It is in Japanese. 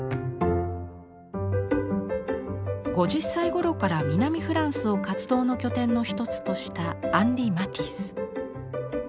５０歳頃から南フランスを活動の拠点の一つとしたアンリ・マティス。